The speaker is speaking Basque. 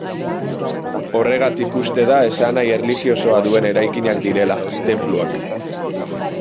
Horregatik uste da esanahi erlijiosoa duen eraikinak direla, tenpluak.